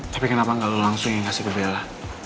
tapi kenapa gak lo langsung yang kasih ke bella